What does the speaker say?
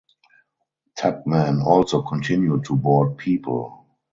Tubman also continued to board people.